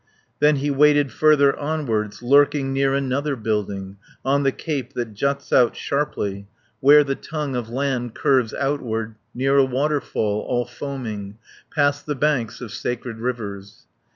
Then he waited further onwards. Lurking near another building, On the cape that juts out sharply, Where the tongue of land curves outward. Near a waterfall, all foaming. Past the banks of sacred rivers.